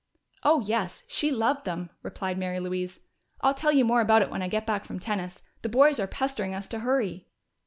"Oh, yes, she loved them," replied Mary Louise. "I'll tell you more about it when I get back from tennis. The boys are pestering us to hurry."